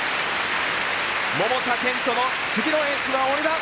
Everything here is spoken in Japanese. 桃田賢斗の次のエースは俺だ。